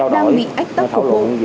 đang bị ách tắc khổ cộng